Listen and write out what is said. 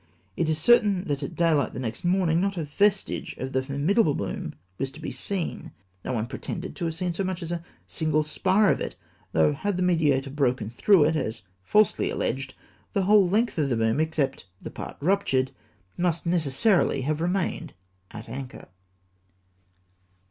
It is certain that at dayhght the next morning not a vestige of this formi dable boom was to be seen ; no one pretended to have seen so much as a single spar of it ; though, had the Mediator broken through it, as falsely alleged, the whole length of the boom, except the part ruptured, must ne cessarily have remained at anchor